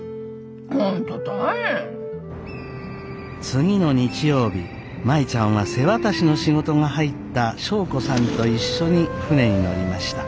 次の日曜日舞ちゃんは瀬渡しの仕事が入った祥子さんと一緒に船に乗りました。